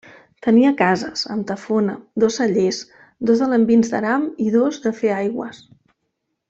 Tenia cases, amb tafona, dos cellers, dos alambins d'aram i dos de fer aigües.